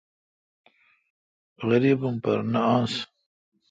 غریب ام پر نہ ہنس۔